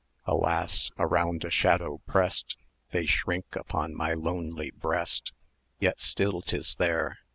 Alas! around a shadow prest They shrink upon my lonely breast; Yet still 'tis there!